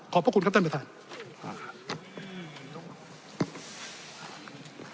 ขอบพระคุณครับท่านบัยทราช